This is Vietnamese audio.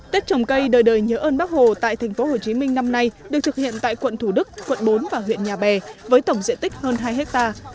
tết trồng cây đời đời nhớ ơn bác hồ tại tp hcm năm nay được thực hiện tại quận thủ đức quận bốn và huyện nhà bè với tổng diện tích hơn hai hectare